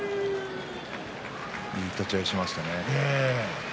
いい立ち合いをしました。